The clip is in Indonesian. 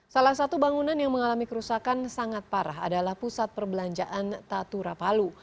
salah satu bangunan yang mengalami kerusakan sangat parah adalah pusat perbelanjaan tatura palu